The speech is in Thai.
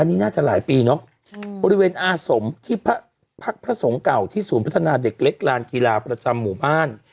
นี่น่าจะหลายปีเนอะบริเวณอาสมที่พักพระสงฆ์เก่าที่ศูนย์พัฒนาเด็กเล็กลานกีฬาประจำหมู่บ้าน